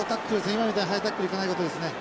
今みたいなハイタックルいかないことですね。